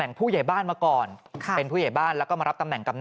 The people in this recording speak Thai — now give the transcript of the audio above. นี่ในระยะเวลาไม่กี่ปีนี่ก็จะมีภาพถ่ายออกมาเยอะมากนะครับ